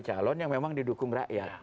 calon yang memang didukung rakyat